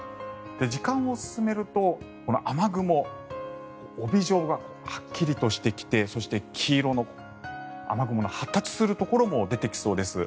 時間を進めると、この雨雲帯状がはっきりとしてきてそして黄色の雨雲の発達するところも出てきそうです。